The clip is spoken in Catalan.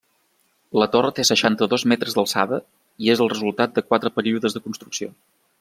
La torre té seixanta-dos metres d'alçada i és el resultat de quatre períodes de construcció.